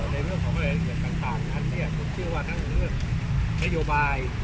ในเรื่องของรายละเอียดต่างนั้นผมเชื่อว่านั่นเป็นเรื่องนโยบาย